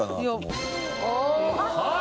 はい。